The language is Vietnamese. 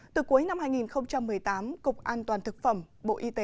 từ cuối năm hai nghìn một mươi tám cục an toàn thực phẩm bộ y tế đã liên tục